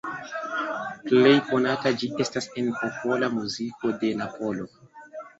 Plej konata ĝi estas en popola muziko de Napolo.